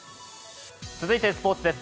続いてスポーツです。